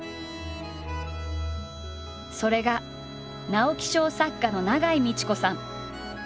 それが直木賞作家の永井路子さん。